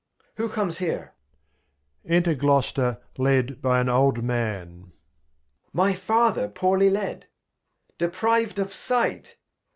Who comes here ? Enter Gloster, led hy an old Man. My Father poorly led! depriv'd of Sight!